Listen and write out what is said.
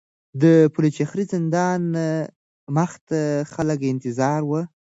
د پلچرخي زندان مخې ته خلک انتظار وو.